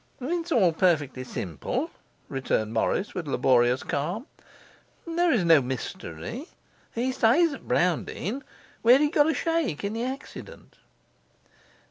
'It is all perfectly simple,' returned Morris, with laborious calm. 'There is no mystery. He stays at Browndean, where he got a shake in the accident.